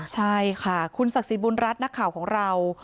ใช่ค่ะคุณศักดิ์สิทธิบุญรัฐนักข่าวของเรา